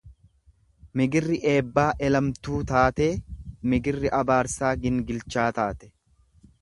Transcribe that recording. Migirri eebbaa elemtuu taatee miggirri abaarsaa gingilchaa taati.